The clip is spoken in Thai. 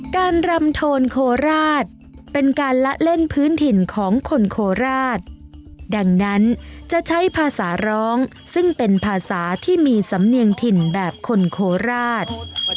การรำโทนโคราชเป็นการละเล่นพื้นถิ่นของคนโคราชดังนั้นจะใช้ภาษาร้องซึ่งเป็นภาษาที่มีสำเนียงถิ่นแบบคนโคราช